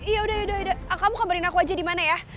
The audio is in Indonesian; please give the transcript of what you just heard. yaudah kamu kabarin aku aja di mana ya